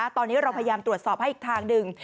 ตอนนี้เราพยายามตรวจสอบให้อีกทางหนึ่ง